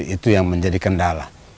itu yang menjadi kendala